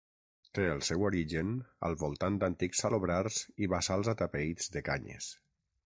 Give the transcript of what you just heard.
Té el seu origen al voltant d'antics salobrars i bassals atapeïts de canyes.